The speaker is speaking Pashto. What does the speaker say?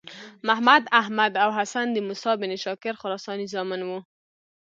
محمد، احمد او حسن د موسی بن شاګر خراساني زامن وو.